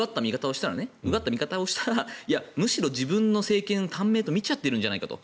うがった見方をしたらむしろ自分の政権を短命と見ちゃってるんじゃないかと。